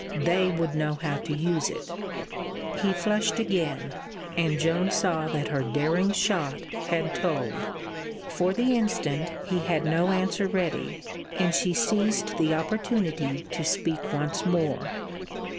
They would know how to use it." He flushed again, and Joan saw that her daring shot had told. For the instant he had no answer ready, and she seized the opportunity to speak once more.